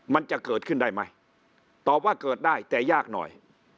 มันจะเกิดขึ้นได้ไหมตอบว่าเกิดได้แต่ยากหน่อย